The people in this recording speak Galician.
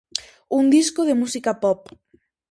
Un disco de música pop.